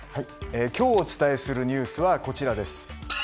今日お伝えするニュースはこちら。